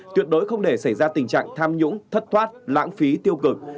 tuyệt đối không để xảy ra tình trạng tham nhũng thất thoát lãng phí tiêu cực